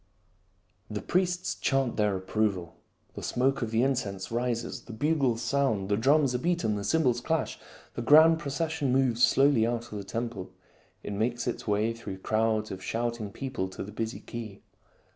The priests chant their approval. The smoke of the incense rises. The bugles sound, the drums are beaten, the cymbals clash. The grand proces sion moves slowly out of the temple ; it makes its way through crowds of shouting people to the busy quay.